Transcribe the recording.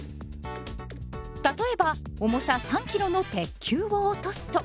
例えば重さ３キロの鉄球を落とすと。